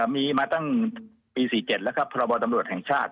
มีมาตั้งปี๔๗แล้วครับพรบตำรวจแห่งชาติ